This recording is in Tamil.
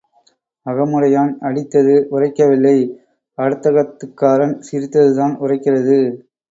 அகமுடையான் அடித்தது உறைக்கவில்லை அடுத்தகத்துக்காரன் சிரித்ததுதான் உறைக்கிறது.